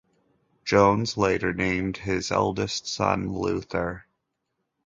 Jones later named his eldest son Luther.